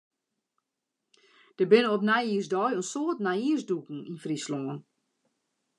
Der binne op nijjiersdei in soad nijjiersdûken yn Fryslân.